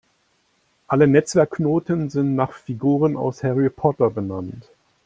Alle Netzwerkknoten sind nach Figuren aus Harry Potter benannt.